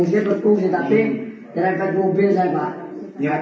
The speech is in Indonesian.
gak berfungsi berfungsi tapi terangkat mobil saya pak